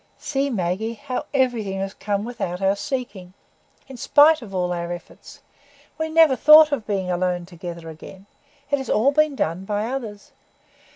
"See, Maggie, how everything has come without our seeking,—in spite of all our efforts. We never thought of being alone together again; it has all been done by others.